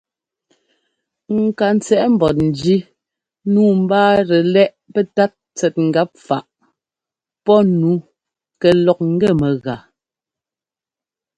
Ŋkantsɛꞌ mbɔ́njí nǔu mbáatɛ lɛ́ꞌ pɛ́tát tsɛt ŋgap faꞌ pɔ́ nu kɛ lɔk ŋ́gɛ mɛgáa.